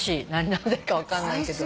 なぜか分かんないけど。